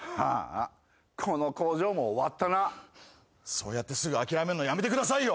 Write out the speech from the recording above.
そうやってすぐ諦めるのやめてくださいよ。